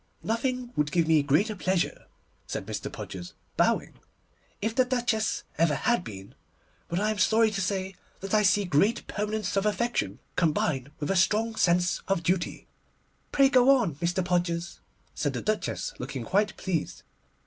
'Nothing would give me greater pleasure,' said Mr. Podgers, bowing, 'if the Duchess ever had been, but I am sorry to say that I see great permanence of affection, combined with a strong sense of duty.' 'Pray go on, Mr. Podgers,' said the Duchess, looking quite pleased.